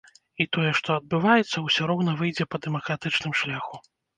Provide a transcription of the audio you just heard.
І тое, што адбываецца, усё роўна выйдзе па дэмакратычным шляху.